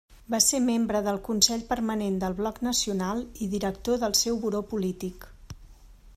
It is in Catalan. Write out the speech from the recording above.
Va ser membre del Consell Permanent del Bloc Nacional i director del seu buró polític.